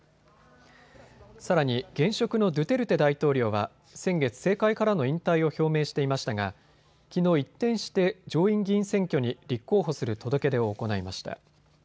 さらに現職のドゥテルテ大統領は先月、政界からの引退を表明していましたがきのう一転して上院議員選挙に立候補する届け出を行いました。